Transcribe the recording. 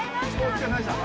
お疲れさまでした。